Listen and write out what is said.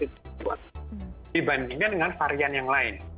dibandingkan dengan varian yang lain